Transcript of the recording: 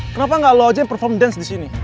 kenapa gak lo aja yang perform dance di sini